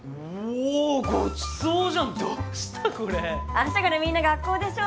明日からみんな学校でしょ？